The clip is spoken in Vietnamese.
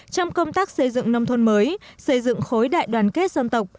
trong công tác xây dựng nông thôn mới xây dựng khối đại đoàn kết dân tộc